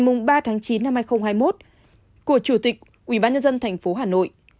của chủ tịch ubnd thành phố hà nội